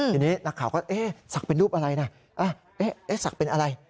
ทีนี้นักข่าวก็สักเป็นรูปอะไรนะสักเป็นอะไร